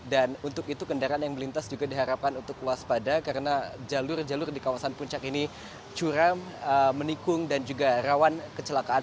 dan untuk itu kendaraan yang melintas juga diharapkan untuk waspada karena jalur jalur di kawasan puncak ini curam menikung dan juga rawan kecelakaan